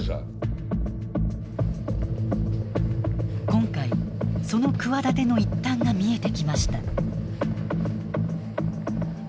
今回その企ての一端が見えてきました。